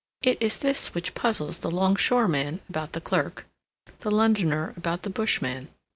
It is this which puzzles the long shoreman about the clerk, the Londoner about the bushman.